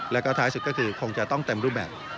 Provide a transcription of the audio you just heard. แล้วก็ท้ายสุดก็คือคงจะต้องเต็มรูปแบบ